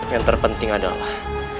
yang terpenting adalah